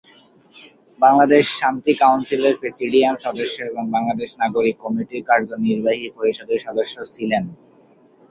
বাংলাদেশ শান্তি কাউন্সিলের প্রেসিডিয়াম সদস্য এবং বাংলাদেশ নাগরিক কমিটির কার্যনির্বাহী পরিষদের সদস্য ছিলেন।